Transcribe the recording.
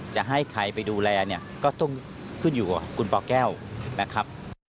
จะให้ใครไปดูแลเนี่ยก็ต้องขึ้นอยู่กับคุณปแก้วนะครับ